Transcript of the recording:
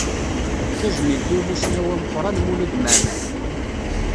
D tajmilt i umussnaw ameqqran Mulud Mɛemmri.